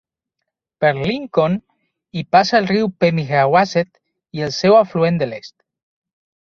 Per Lincoln hi passa el riu Pemigewasset i el seu afluent de l'est.